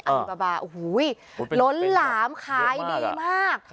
อาริบาบาโห้ล้นหลามขายดีมาก